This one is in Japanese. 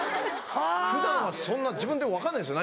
普段はそんな自分でも分かんないんですよ。